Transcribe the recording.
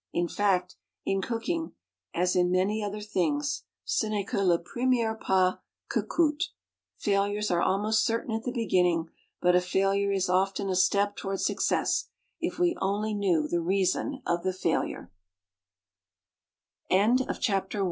In fact, in cooking, as in many other things, "ce n'est que le premier pas que coûte;" failures are almost certain at the beginning, but a failure is often a step toward success if we only know the reason of the fail